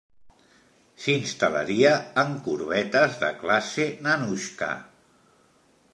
S'instal·laria en corbetes de classe Nanuchka.